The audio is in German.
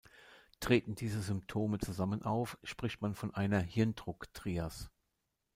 Treten diese Symptome zusammen auf, spricht man von einer „"Hirndruck-Trias"“.